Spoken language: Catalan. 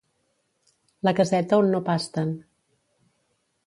La caseta on no pasten.